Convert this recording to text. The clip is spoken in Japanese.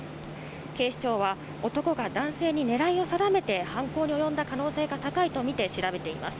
警視庁は、男が男性に狙いを定めて犯行に及んだ可能性が高いと見て調べています。